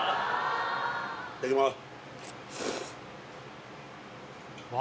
いただきます